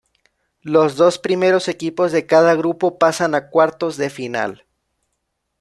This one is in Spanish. Los dos primeros equipos de cada grupo pasan a cuartos de final.